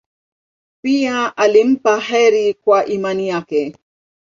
Pia alimpa heri kwa imani yake.